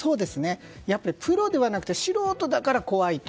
やっぱりプロではなくて素人だから怖いと。